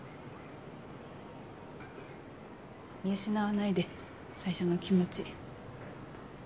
見失わないで最初の気持ち。